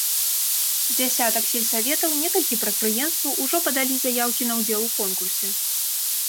Дзясятак сельсаветаў, некалькі прадпрыемстваў ужо падалі заяўкі на ўдзел у конкурсе.